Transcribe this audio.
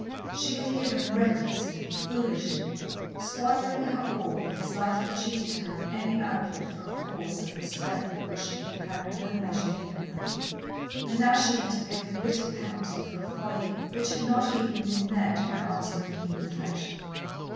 She had given recklessly, foolishly, squandering her all because life had cheated her of any outlet for a force of the strength of which she had had no measure given her, and now she had to pay the bitter penalty for a folly which had not even been met by answering human affection.